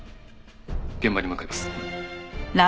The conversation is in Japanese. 現場に向かいます。